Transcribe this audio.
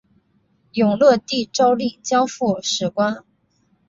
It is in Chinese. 永乐帝诏令交付史官。